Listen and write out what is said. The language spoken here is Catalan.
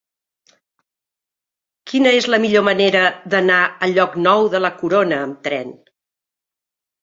Quina és la millor manera d'anar a Llocnou de la Corona amb tren?